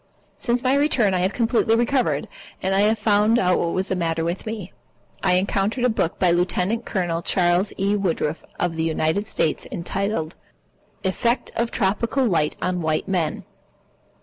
Since my return I have completely recovered. And I have found out what was the matter with me. I encountered a book by Lieutenant Colonel Charles E. Woodruff of the United States Army entitled "Effects of Tropical Light on White Men."